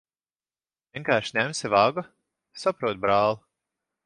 Vienkārši ņemsi vagu? Saprotu, brāl'.